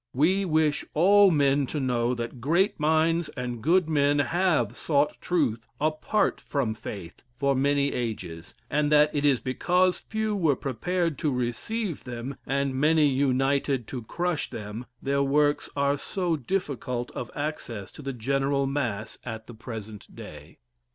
We wish all men to know that great minds and good men have sought truth apart from faith for many ages, and that it is because few were prepared to receive them, and many united to crush them, their works are so difficult of access to the general mass at the present day.